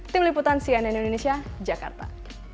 tim liputan cnn indonesia jakarta